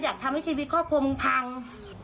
อยากทำให้ชีวิตครอบครัวมึงพัง